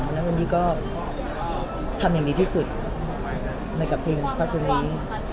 แล้ววันนี้ก็ทำอย่างดีที่สุดในกับความรู้สึกว่านี้